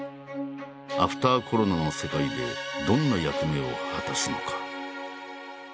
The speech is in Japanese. アフターコロナの世界でどんな役目を果たすのか。